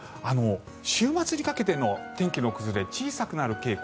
週末にかけての天気の崩れ小さくなる傾向。